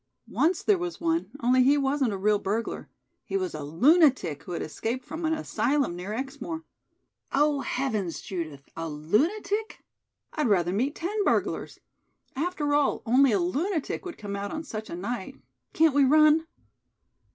"Once there was one, only he wasn't a real burglar. He was a lunatic who had escaped from an asylum near Exmoor." "Oh, heavens, Judith, a lunatic? I'd rather meet ten burglars. After all, only a lunatic would come out on such a night. Can't we run?"